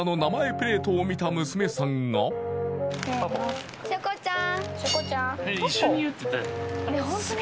プレートを見た娘さんが・せの・ショコちゃん